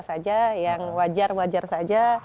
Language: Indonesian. saja yang wajar wajar saja